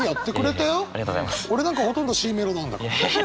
俺なんかほとんどＣメロなんだから。